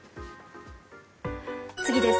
次です。